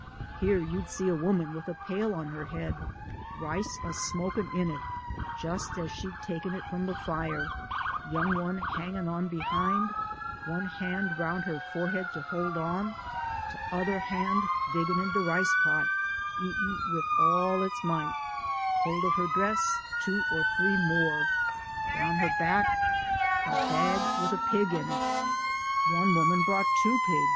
Here you'd see a woman wid a pail on her head, rice a smokin' in it jus as she'd taken it from de fire, young one hang in' on behind, one han' roun' her forehead to hold on, 'tother han' diggin' into de rice pot, eatin' wid all its might ; hold of her dress two or three more ; down her back a bag wid a pig in it. One woman LIFE OF HARRIET TUBMAJNT. 41 brought two pip